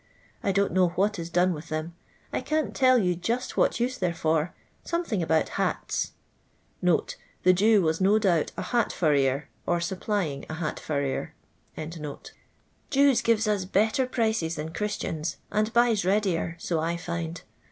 I don't know what ii done with them. I can't tell you jutt what use they *re for — something about hats." [The Jew was uo doubt a hat furrier, or supplying a liat furrier.] *' Jews gives us better prices than Christians, and buys readier; so I find.